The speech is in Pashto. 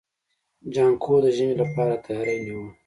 جانکو د ژمي لپاره تياری نيوه.